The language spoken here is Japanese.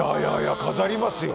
飾りますよ。